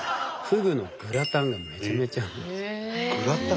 ふぐのグラタンがめちゃめちゃうまい。